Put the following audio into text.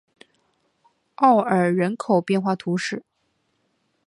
奥尔人口变化图示